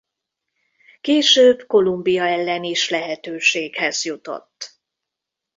Később Kolumbia ellen is lehetőséghez jutott.